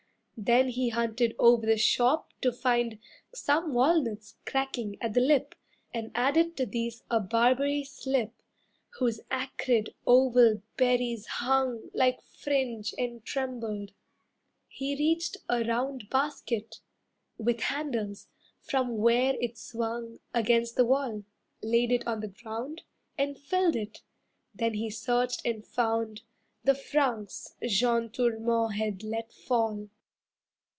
Then he hunted over the shop to find Some walnuts cracking at the lip, And added to these a barberry slip Whose acrid, oval berries hung Like fringe and trembled. He reached a round Basket, with handles, from where it swung Against the wall, laid it on the ground And filled it, then he searched and found The francs Jeanne Tourmont had let fall.